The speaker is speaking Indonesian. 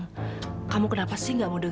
kenapa kamu tidak ingin mendengarkan omongan ayahmu